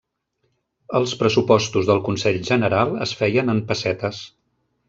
Els pressupostos del Consell General es feien en pessetes.